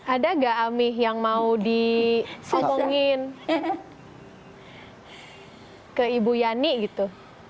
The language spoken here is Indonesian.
ada nggak ami yang mau dikongongin ke ibu yani gitu